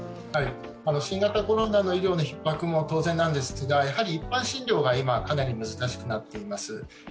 新型コロナの医療のひっ迫も当然なんですがやはり一般診療が今かなり難しくなっています。